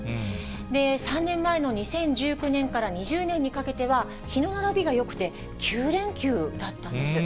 ３年前の２０１９年から２０年にかけては、日の並びがよくて、９連休だったんです。